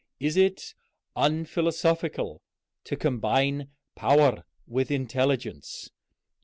Is it unphilosophical to combine power with intelligence?